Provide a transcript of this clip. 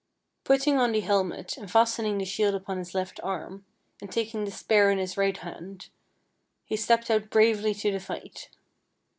Putting on the helmet, and fastening the shield upon his left arm, and taking the spear in his right hand, he stepped out bravely to the fight.